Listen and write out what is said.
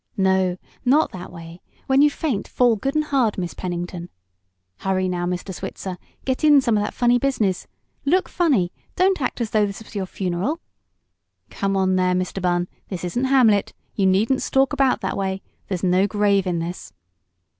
"No, not that way! When you faint, fall good and hard, Miss Pennington!" "Hurry now, Mr. Switzer; get in some of that funny business! Look funny; don't act as though this was your funeral!" "Come on there Mr. Bunn; this isn't 'Hamlet.' You needn't stalk about that way. There's no grave in this!"